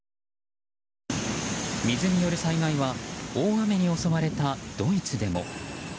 水による災害は大雨に襲われたドイツでも。